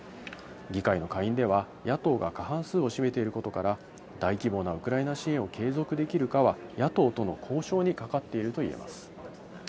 議会の下院では、野党が過半数を占めていることから、大規模なウクライナ支援を継続できるかは、野党との交渉にかかっていると言えます。